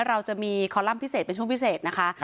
เราจะมีคอลัมป์พิเศษเป็นช่วงพิเศษนะคะ